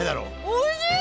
おいしい！